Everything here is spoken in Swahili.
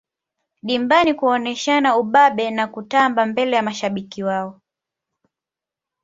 dimbani kuoneshana ubabe na kutamba mbele ya mashabiki wao